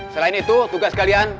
selain itu tugas kalian